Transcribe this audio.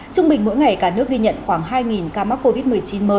trung bình mỗi ngày cả nước ghi nhận khoảng hai ca mắc covid một mươi chín mới